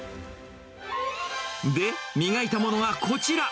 で、磨いたものがこちら。